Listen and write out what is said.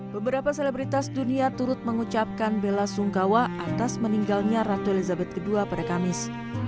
beberapa selebritas dunia turut mengucapkan bela sungkawa atas meninggalnya ratu elizabeth ii pada kamis